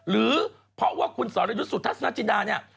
หรือเพราะว่าคุณสรยุทธสนจินดาเนี่ย